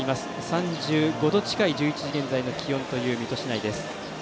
３５度近い１１時現在の気温という水戸市内です。